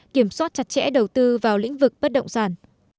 kiểm soát chặt chẽ đầu tư vào lĩnh vực bất động sản